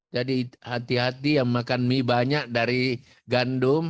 jadi hati hati yang makan mie banyak dari gandum